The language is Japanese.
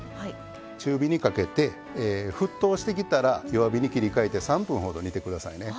中火にかけて沸騰してきたら弱火に切り替えて３分ほど煮てくださいね。